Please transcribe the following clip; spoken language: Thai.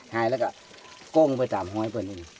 หายแล้วก็ก้งไปตามห้อยไปนี่